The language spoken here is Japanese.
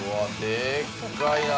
でっかいな！